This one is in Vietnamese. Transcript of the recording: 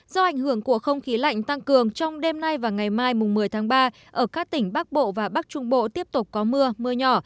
do ảnh hưởng của không khí lạnh tăng cường trong đêm nay và ngày mai một mươi tháng ba ở các tỉnh bắc bộ và bắc trung bộ tiếp tục có mưa mưa nhỏ